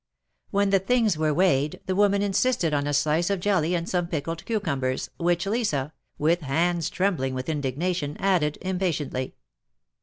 When the things were weighed, the woman insisted on a slice of jelly and some pickled cucumbers, which Lisa, with hands trembling with indignation, added impatiently.